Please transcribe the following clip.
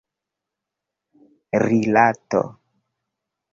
rilato